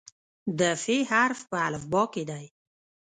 د "ف" حرف په الفبا کې دی.